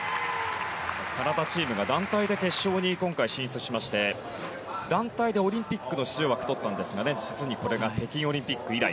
カナダチームが団体で今回決勝に進出しまして団体でオリンピックの出場枠を取ったのは実にこれが北京オリンピック以来。